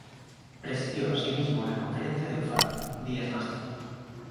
Presidió asimismo la conferencia de Ufá días más tarde.